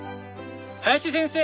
林先生